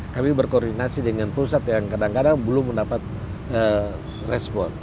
kami berkoordinasi dengan pusat yang kadang kadang belum mendapat respon